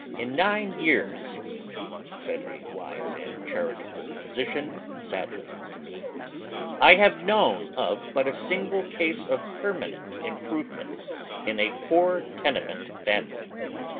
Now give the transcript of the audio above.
"In nine years," said a wise and charitable physician, sadly, to me, " I liave known of but a single case of permanent improvement in a poor tenement family."